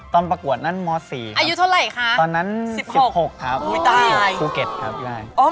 ตอนประกวดนั่นม๔ครับอายุเท่าไรคะตอนนั้น๑๖ครับภูเก็ตครับ